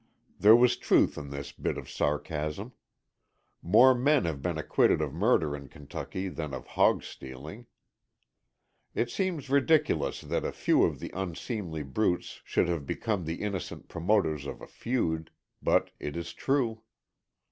There was truth in this bit of sarcasm. More men have been acquitted of murder in Kentucky than of hogstealing. It seems ridiculous that a few of the unseemly brutes should have become the innocent promoters of a feud, but it is true.